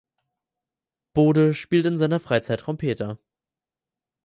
Bode spielt in seiner Freizeit Trompete.